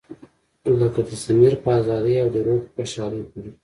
لکه د ضمیر په ازادۍ او د روح په خوشحالۍ پورې.